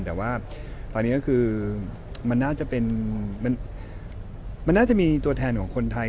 แต่ว่าตอนนี้ก็คือมันน่าจะมีตัวแทนของคนไทย